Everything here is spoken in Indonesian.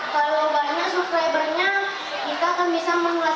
kalau banyak subscribernya kita akan bisa menghasilkan uang